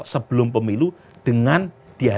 sebelum pemilu dengan pilihan